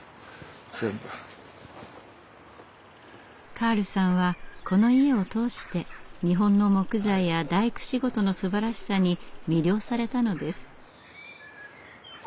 カールさんはこの家を通して日本の木材や大工仕事のすばらしさに魅了されたのです。